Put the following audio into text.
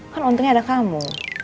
kan untungnya ada kamu